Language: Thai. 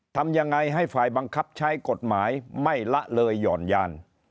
ทำยังไงให้ฝ่ายบังคับใช้กฎหมายไม่ละเลยหย่อนยาน